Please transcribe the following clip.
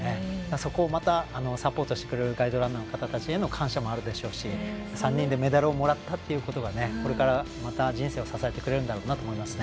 そこをまたサポートしてくれるガイドランナーの方たちへの感謝もあるでしょうし、３人でメダルをもらったということがこれからまた人生を支えてくれるんだろうなと思いますね。